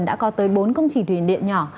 đã có tới bốn công trình thủy điện nhỏ